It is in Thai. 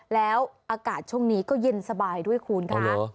แล้วอากาศช่วงนี้ก็เย็นสบายด้วยคุณค่ะ